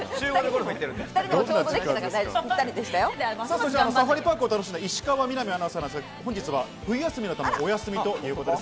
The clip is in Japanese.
そしてサファリパークを楽しんだ石川みなみアナウンサーは本日は冬休みのため、お休みということです。